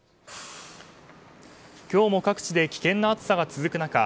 今日も各地で危険な暑さが続く中